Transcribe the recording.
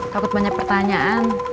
takut banyak pertanyaan